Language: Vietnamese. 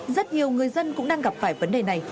rất nhiều người dân cũng đang gặp phải vấn đề này